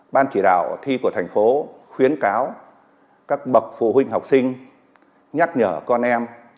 ban chỉ đạo thi của thành phố khuyến cáo các bậc phụ huynh học sinh nhắc nhở con em